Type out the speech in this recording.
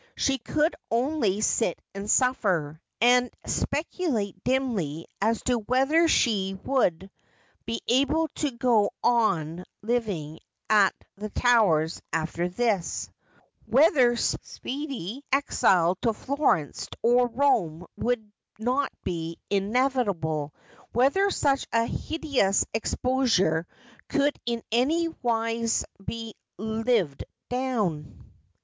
She could only sit and suffer, and spectdate dimly as to whether she would be able to go on living at the Towers after this : whether speedy exile to Florence or Rome would not be inevitable : whether such a hideous ex posure could in any wise be lived down.